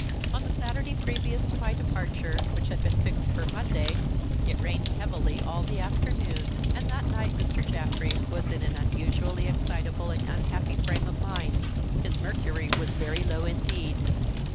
On the Saturday previous to my departure, which had been fixed for Monday, it rained heavily all the afternoon, and that night Mr. Jaffrey was in an unusually excitable and unhappy frame of mind. His mercury was very low indeed.